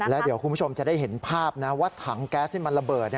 แล้วเดี๋ยวคุณผู้ชมจะได้เห็นภาพนะว่าถังแก๊สที่มันระเบิด